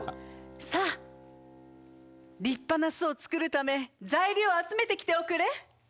さあ立派な巣を作るため材料を集めてきておくれ！